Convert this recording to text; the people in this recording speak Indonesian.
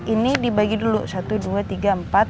ini dibagi dulu satu dua tiga ditambah delapan puluh empat